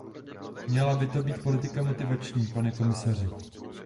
Měla by to být politika motivační, pane komisaři.